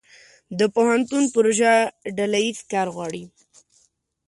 د پوهنتون پروژه ډله ییز کار غواړي.